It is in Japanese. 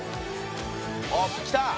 おっ来た！